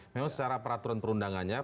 memang secara peraturan perundangannya